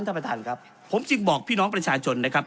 ท่านประธานครับผมจึงบอกพี่น้องประชาชนนะครับ